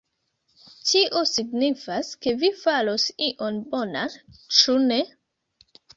Tio signifas ke vi faros ion bonan, ĉu ne?